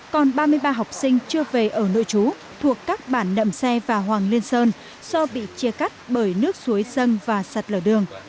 còn ba mươi ba học sinh chưa về ở nội trú thuộc các bản nậm xe và hoàng liên sơn do bị chia cắt bởi nước suối dâng và sạt lở đường